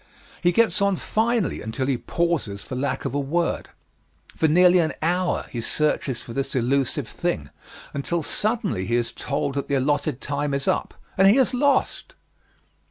He gets on finely until he pauses for lack of a word. For nearly an hour he searches for this elusive thing, until suddenly he is told that the allotted time is up, and he has lost!